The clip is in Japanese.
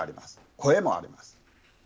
声もあります。